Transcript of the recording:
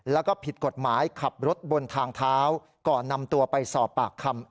แล้วก็ผิดกฎหมายขับรถบนทางเท้าก่อนนำตัวไปสอบปากคำ